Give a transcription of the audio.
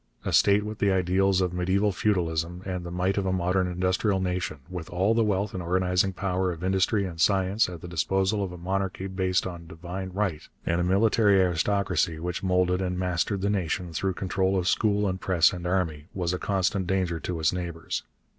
A state with the ideals of mediaeval feudalism and the might of a modern industrial nation with all the wealth and organizing power of industry and science at the disposal of a monarchy based on 'divine right,' and a military aristocracy which moulded and mastered the nation through control of school and press and army was a constant danger to its neighbours.